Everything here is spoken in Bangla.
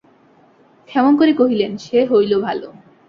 ক্ষেমংকরী কহিলেন, সে হইল ভালো।